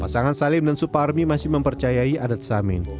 pasangan salim dan suparmi masih mempercayai adat samin